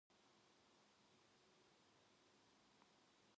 그의 입에서는 술 냄새가 훅 끼쳤다.